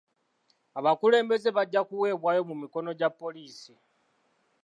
Abakulembeze bajja kuweebwayo mu mikono gya poliisi.